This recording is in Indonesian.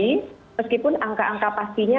meskipun angka angka pastinya